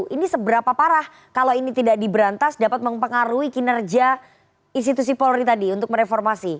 ini seberapa parah kalau ini tidak diberantas dapat mempengaruhi kinerja institusi polri tadi untuk mereformasi